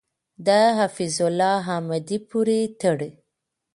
د حفیظ الله احمدی پورې تړي .